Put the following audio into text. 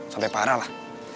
sampe parah lah